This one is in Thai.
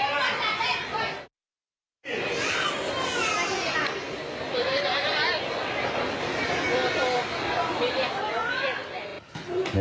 โอ้โฮ